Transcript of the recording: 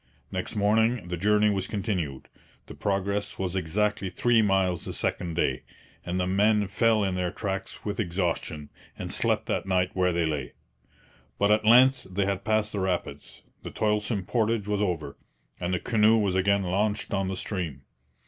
Next morning the journey was continued; the progress was exactly three miles the second day, and the men fell in their tracks with exhaustion, and slept that night where they lay. But at length they had passed the rapids; the toilsome portage was over, and the canoe was again launched on the stream.